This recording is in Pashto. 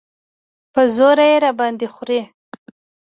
په زوره یې راباندې خورې.